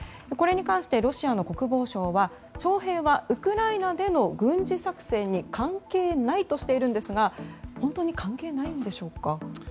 これに関してロシアの国防省は徴兵はウクライナでの軍事作戦に関係ないとしているんですが本当に関係ないんでしょうか？